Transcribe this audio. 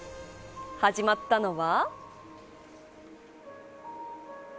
始まったのは。